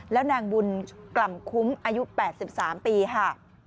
แล้วนางบุญกล่ำคุ้มอายุ๘๓ปีค่ะ